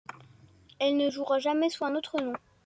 Elle ne jouera jamais sous un autre nom.